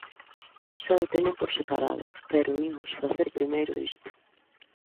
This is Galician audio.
Xa o teño por separado, pero imos facer primeiro isto.